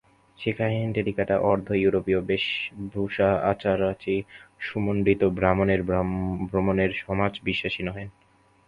শিখাহীন টেড়িকাটা, অর্ধ-ইউরোপীয় বেশভূষা-আচারাদি-সুমণ্ডিত ব্রাহ্মণের ব্রহ্মণ্যে সমাজ বিশ্বাসী নহেন।